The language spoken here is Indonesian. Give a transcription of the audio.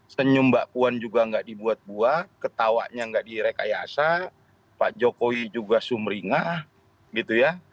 senyum mbak puan juga nggak dibuat buat ketawanya nggak direkayasa pak jokowi juga sumringah gitu ya